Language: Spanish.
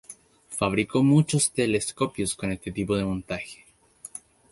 Fabricó muchos telescopios con este tipo de montaje.